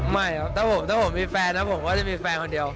ไม่ครับถ้าผมมีแฟนนะผมก็จะมีแฟนคนเดียว